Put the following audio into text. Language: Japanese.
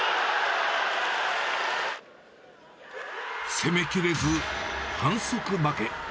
攻めきれず、反則負け。